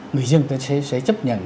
người dân sẽ chấp nhận